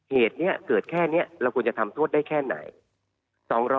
เหตุนี้เกิดแค่นี้เราควรจะทำโทษได้แค่ไหน